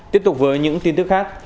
tiếp tục với những tin tức khác